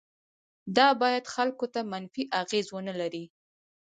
دا باید خلکو ته منفي اغیز ونه لري.